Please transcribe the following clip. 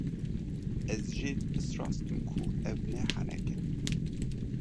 Ez jê piştrast im ku ev ne henek e.